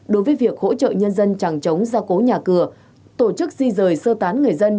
đối với việc hỗ trợ nhân dân chẳng chống gia cố nhà cửa tổ chức di rời sơ tán người dân